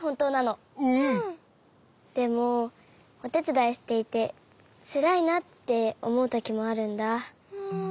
でもおてつだいしていてつらいなっておもうときもあるんだ。